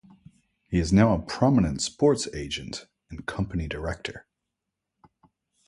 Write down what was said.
He is now a prominent sports agent and company director.